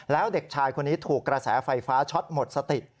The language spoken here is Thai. แล้วเด็กชายคนนี้ถูกกระแสไฟฟ้าช็อตหมดสติ